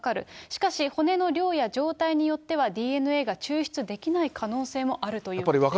しかし、骨の量や状態によっては、ＤＮＡが抽出できない可能性もあるということで。